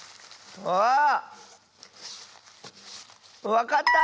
わかった！